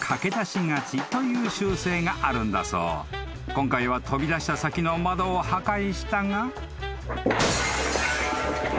［今回は飛び出した先の窓を破壊したが］